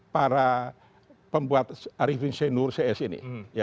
para pembuat arifin senur cs ini